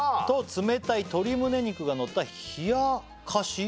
「冷たい鶏胸肉がのった冷かし」